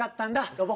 ロボ。